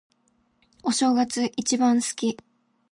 お正月、一番好き。